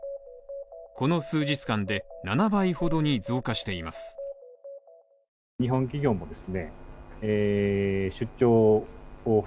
この数日間で７倍ほどに増加しています。